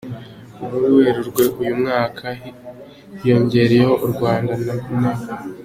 Muri Werurwe uyu mwaka hiyongereyeho u Rwanda na Nepal.